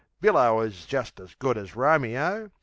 Billo is just as good as Romeo.